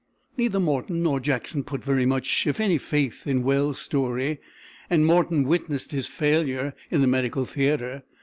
Neither Morton nor Jackson put much if any faith in Wells's story, and Morton witnessed his failure in the medical theatre.